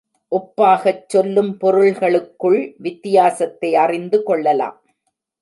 ஒப்பாகச் சொல்லும் பொருள்களுக்குள் வித்தியாசத்தை அறிந்து கொள்ளலாம்.